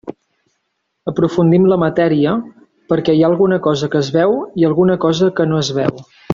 Aprofundim la matèria, perquè hi ha alguna cosa que es veu i alguna cosa que no es veu.